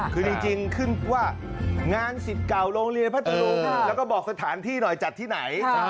คือจริงขึ้นว่างานสิทธิ์เก่าโรงเรียนพัทธรุงแล้วก็บอกสถานที่หน่อยจัดที่ไหน